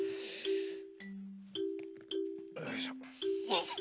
よいしょ。